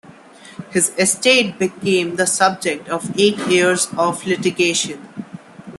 His estate became the subject of eight years of litigation.